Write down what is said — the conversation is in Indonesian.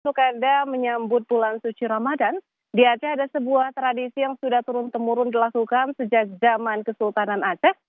pada menyambut bulan suci ramadan di aceh ada sebuah tradisi yang sudah turun temurun dilakukan sejak zaman kesultanan aceh